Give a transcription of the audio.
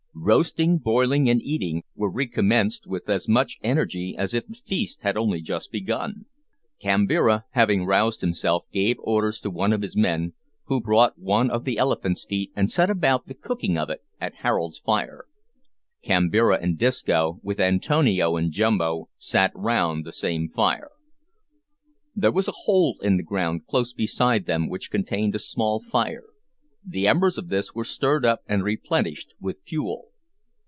Roasting, boiling, and eating were recommenced with as much energy as if the feast had only just begun. Kambira, having roused himself, gave orders to one of his men, who brought one of the elephant's feet and set about the cooking of it at Harold's fire. Kambira and Disco, with Antonio and Jumbo, sat round the same fire. There was a hole in the ground close beside them which contained a small fire; the embers of this were stirred up and replenished with fuel.